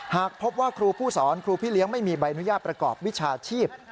หากพบว่าครูผู้สอนครูพี่เลี้ยงไม่มีใบอนุญาตประกอบวิชาชีพ